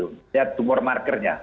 kita lihat tumor markernya